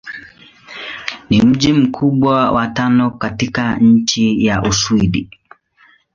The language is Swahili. Ni mji mkubwa wa tano katika nchi wa Uswidi.